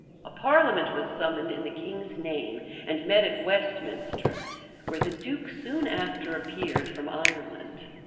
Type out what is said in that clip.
A parliament was summoned in the king's name, and met at Westminster; where the duke soon after appeared from Ireland.